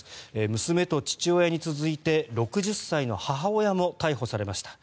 娘と父親に続いて６０歳の母親も逮捕されました。